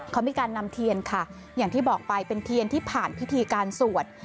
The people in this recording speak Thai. เขามีการนำเทียนค่ะอย่างที่บอกไปเป็นเทียนที่ผ่านพิธีการสวด